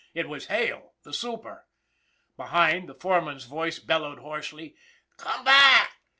It was Hale the super ! Behind, the foreman's voice bellowed hoarsely: " Come back